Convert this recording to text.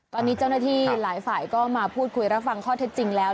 ตอนนี้เจ้าหน้าที่หลายฝ่ายก็มาพูดคุยรับฟังข้อเท็จจริงแล้ว